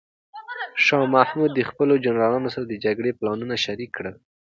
شاه محمود د خپلو جنرالانو سره د جګړې پلانونه شریک کړل.